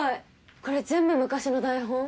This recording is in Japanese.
これ全部昔の台本？